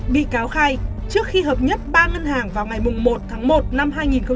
bị cáo khai trước khi hợp nhất ba ngân hàng vào ngày một tháng một năm hai nghìn hai mươi